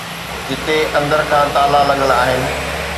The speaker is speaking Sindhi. جتي اندر کان تالا لڳل آهن